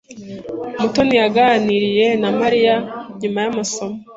Mutoni yaganiriye na Mariya nyuma yamasomo.